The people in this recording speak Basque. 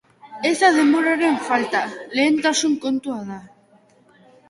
Ez da denbora falta, lehentasun kontua da.